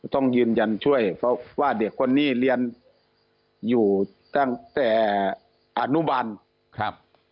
ต้องยืนยันช่วยเพราะว่าเด็กคนนี้เรียนอยู่ตั้งแต่อนุบันครับ